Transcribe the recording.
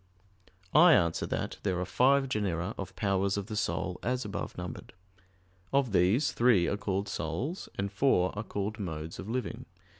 I answer that, There are five genera of powers of the soul, as above numbered. Of these, three are called souls, and four are called modes of living.